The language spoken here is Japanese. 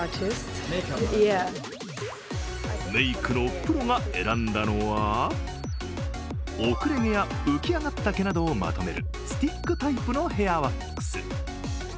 メイクのプロが選んだのは後れ毛や浮き上がった毛などをまとめるスティックタイプのヘアワックス。